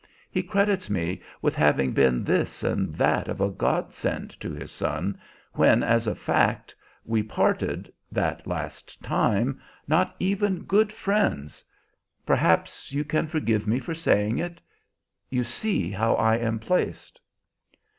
He credits me with having been this and that of a godsend to his son, when as a fact we parted, that last time, not even good friends. Perhaps you can forgive me for saying it? You see how I am placed!"